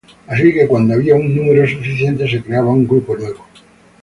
Así que cuando había un número suficiente, se creaba un grupo nuevo.